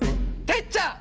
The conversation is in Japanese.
てっちゃん！